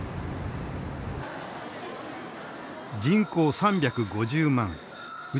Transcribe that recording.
人口３５０万内